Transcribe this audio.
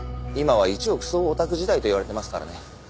今は１億総オタク時代といわれてますからね。